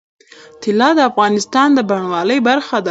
طلا د افغانستان د بڼوالۍ برخه ده.